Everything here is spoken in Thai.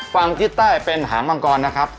ฝั่งทิศใต้เป็นหางมังกรนะครับ